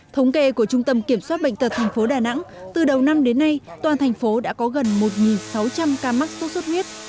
thống kê của trung tâm kiểm soát bệnh tật tp đà nẵng từ đầu năm đến nay toàn thành phố đã có gần một sáu trăm linh ca mắc sốt xuất huyết